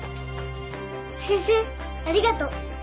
先生ありがとう。